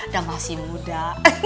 dan masih muda